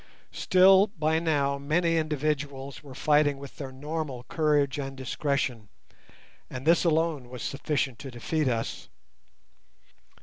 Still by now many individuals were fighting with their normal courage and discretion, and this alone was sufficient to defeat us.